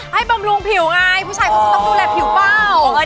ให้บำรุงผิวไงผู้ชายก็ต้องดูแลผิวเปล่า